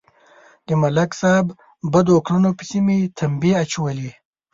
د ملک صاحب بدو کړنو پسې مې تمبې اچولې.